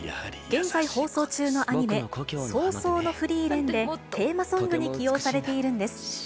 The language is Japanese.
現在放送中のアニメ、葬送のフリーレンで、テーマソングに起用されているんです。